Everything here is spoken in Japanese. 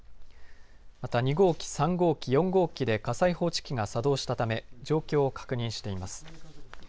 また２号機、３号機、４号機で火災報知器が作動したため状況を確認しています。